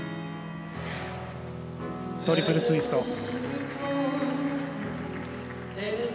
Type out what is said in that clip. トリプルツイスト。